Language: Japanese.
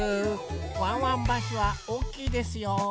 ワンワンバスはおおきいですよ。